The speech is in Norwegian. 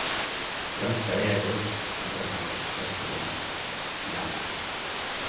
Skulle ønske eg òg kunne lest den for første gang..igjen...